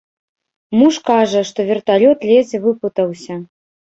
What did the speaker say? Муж кажа, што верталёт ледзь выпутаўся.